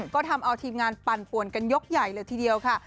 ก็ทำเอาทีมงานปั่นป่วนกันยกใหญ่เลยทีเดียวค่ะ